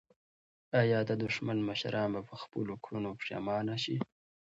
آیا د دښمن مشران به په خپلو کړنو پښېمانه شي؟